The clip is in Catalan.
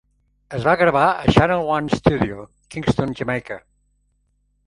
Es va gravar a Channel One Studio, Kingston, Jamaica.